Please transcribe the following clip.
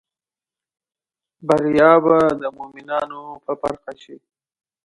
بریا به د مومینانو په برخه شي